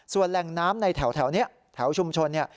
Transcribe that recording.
ส่วนแหล่งน้ำในแถวนี้แถวชุมชนเนี่ย